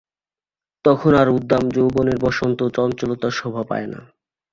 তখন আর উদ্দাম যৌবনের বসন্তচঞ্চলতা শোভা পায় না।